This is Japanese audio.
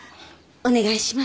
お願いします。